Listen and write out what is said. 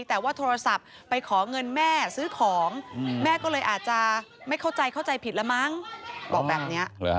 แต่ว่าโทรศัพท์ไปขอเงินแม่ซื้อของแม่ก็เลยอาจจะไม่เข้าใจเข้าใจผิดละมั้งบอกแบบนี้